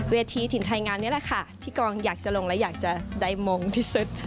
ถิ่นไทยงานนี้แหละค่ะที่กองอยากจะลงและอยากจะได้มงค์ที่สุด